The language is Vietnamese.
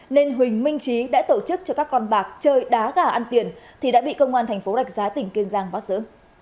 nên huỳnh minh trí đã tổ chức cho các con bạc chơi đá gà ăn tiền thì đã bị công an thành phố rạch giá tỉnh kiên giang bắt giữ